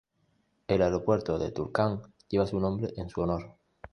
El aeropuerto de Tulcán lleva su nombre en su honor.